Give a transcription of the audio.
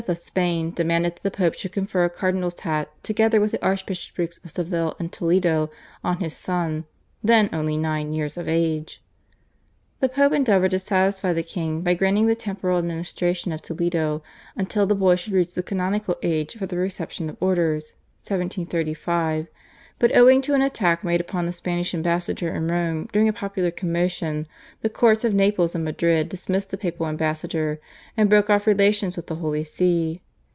of Spain demanded that the Pope should confer a cardinal's hat together with the Archbishoprics of Seville and Toledo on his son, then only nine years of age. The Pope endeavoured to satisfy the king by granting the temporal administration of Toledo until the boy should reach the canonical age for the reception of Orders (1735), but owing to an attack made upon the Spanish ambassador in Rome during a popular commotion the courts of Naples and Madrid dismissed the papal ambassador and broke off relations with the Holy See.